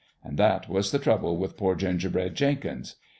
An' that was the trouble with poor Ginger bread Jenkins.